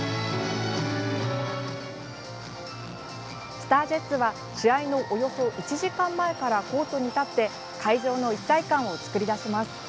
ＳＴＡＲＪＥＴＳは試合のおよそ１時間前からコートに立って会場の一体感を作り出します。